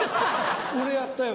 俺やったよ